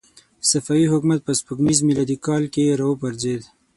صفوي حکومت په سپوږمیز میلادي کال کې را وپرځېد.